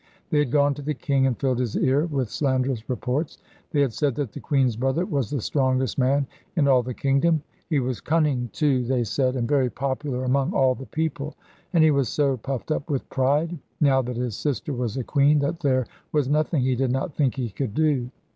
They had gone to the king, and filled his ear with slanderous reports. They had said that the queen's brother was the strongest man in all the kingdom. 'He was cunning, too,' they said, 'and very popular among all the people; and he was so puffed up with pride, now that his sister was a queen, that there was nothing he did not think he could do.'